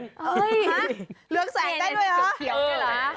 เหลืองแสงได้ด้วยเหรอ